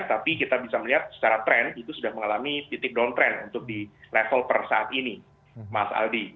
tapi kita bisa melihat secara trend itu sudah mengalami titik downtrend untuk di level per saat ini mas adi